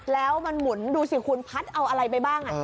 แล้วมันหมุนดูสิคุณพัดเอาอะไรไปบ้าง